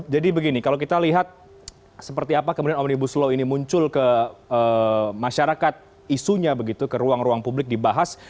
jadi begini kalau kita lihat seperti apa kemudian omnibus law ini muncul ke masyarakat isunya begitu ke ruang ruang publik dibahas